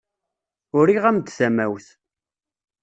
Uriɣ-am-d tamawt.